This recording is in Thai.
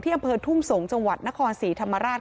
ที่อำเภอทุ่งสงส์จังหวัดนครสี่ธรรมาราช